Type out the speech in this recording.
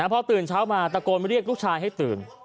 พอตื่นเช้ามาตะโกนเรียกลูกชายให้ตื่น